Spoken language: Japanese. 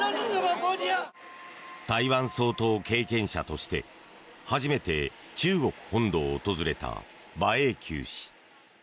台湾総統経験者として初めて中国本土を訪れた馬英九氏。